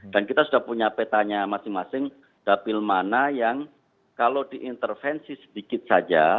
dan kita sudah punya petanya masing masing dapil mana yang kalau diintervensi sedikit saja